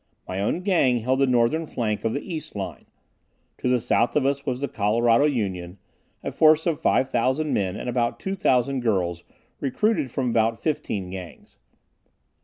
My own Gang held the northern flank of the east line. To the south of us was the Colorado Union, a force of 5,000 men and about 2,000 girls recruited from about fifteen Gangs.